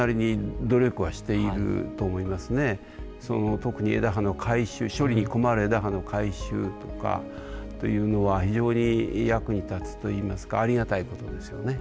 特に処理に困る枝葉の回収とかというのは非常に役に立つと言いますかありがたいことですよね。